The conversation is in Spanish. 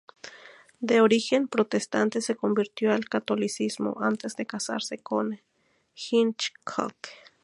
De origen protestante, se convirtió al catolicismo antes de casarse con Hitchcock.